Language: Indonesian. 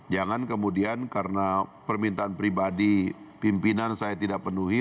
jangan kemudian karena permintaan pribadi pimpinan saya tidak penuhi